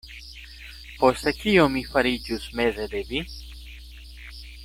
Poste kio mi fariĝus meze de vi?